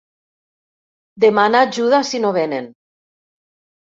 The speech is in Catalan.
Demana ajuda si no venen.